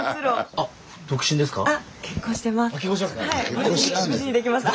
あ結婚してますか。